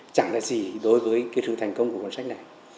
chẳng là gì đối với cái sự thành công của cuốn sách này